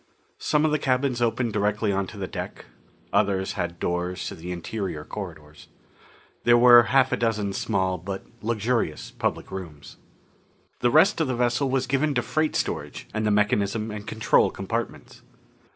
Some of the cabins opened directly onto the deck. Others had doors to the interior corridors. There were half a dozen small but luxurious public rooms. The rest of the vessel was given to freight storage and the mechanism and control compartments.